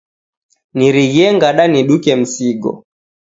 Nirighie ngada niduke msigo.